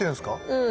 うん。